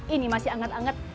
ini masih hangat hangat